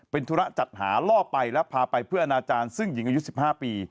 เป็นธุระจัดหาล่อไปและพาไปเพื่ออนาจารย์ซึ่งหญิงอายุ๑๕ปี